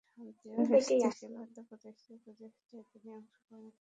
দেশে শান্তি ও স্থিতিশীলতা প্রতিষ্ঠার প্রচেষ্টায় তিনি অংশগ্রহণ করেছিলেন।